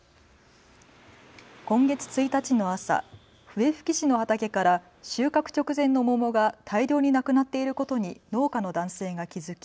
今月１日の朝、笛吹市の畑から収穫直前の桃が大量になくなっていることに農家の男性が気付き